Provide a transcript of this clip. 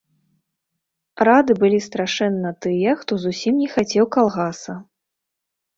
Рады былі страшэнна тыя, хто зусім не хацеў калгаса.